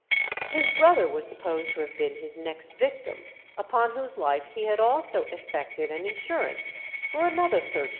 His brother was supposed to have been his next victim, upon whose life he had also effected an insurance for another £13,000.